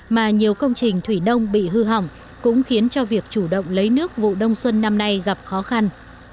mà nhiều công trình thủy nông bị hư hỏng cũng khiến cho việc chủ động lấy nước vụ đông xuân năm nay gặp khó khăn